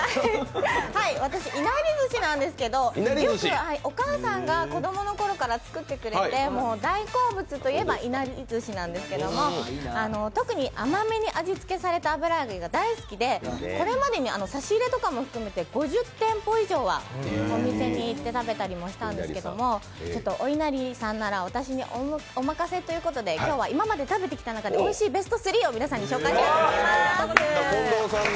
私、いなりずしなんですけどよくお母さんが子供のころから作ってくれて大好物と言えば、いなりずしなんですけど特に甘めに味付けされた油揚げが大好きで、これまでに差し入れとかも含めて５０店舗以上はお店に行って食べたりもしたんですけれども、おいなりさんなら私におまかせということで、今日は今まで食べてきた中でおいしいベスト３を皆さんに紹介したいと思います。